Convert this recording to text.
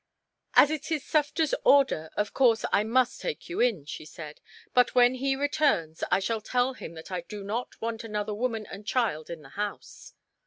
"As it is Sufder's order, of course I must take you in," she said, "but when he returns, I shall tell him that I do not want another woman and child in the house.